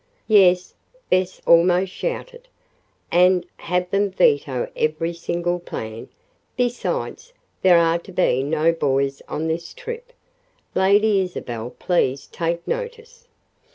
"Yes," Bess almost shouted, "and have them veto every single plan. Besides, there are to be no boys on this trip; Lady Isabel please take notice!"